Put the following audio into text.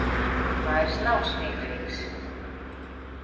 Vairs nav smieklīgs.